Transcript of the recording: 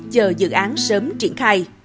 chờ dự án sớm triển khai